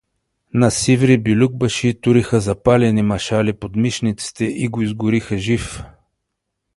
На Сиври билюкбаши туриха запалени машали под мишниците и го изгориха жив.